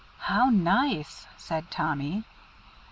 "How nice!" said Tommy.